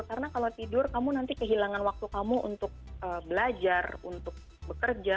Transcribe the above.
karena kalau tidur kamu nanti kehilangan waktu kamu untuk belajar untuk bekerja